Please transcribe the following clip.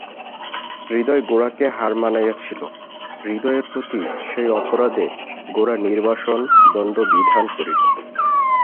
হৃদয় গোরাকে হার মানাইয়াছিল, হৃদয়ের প্রতি সেই অপরাধে গোরা নির্বাসন-দণ্ড বিধান করিল।